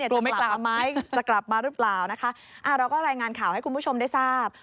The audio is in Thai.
กลัวไม่กลับมาไหมจะกลับมาหรือเปล่านะคะอ่าเราก็รายงานข่าวให้คุณผู้ชมได้ทราบ